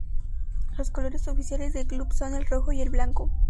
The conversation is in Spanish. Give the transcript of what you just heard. Los colores oficiales del club son el rojo y el blanco.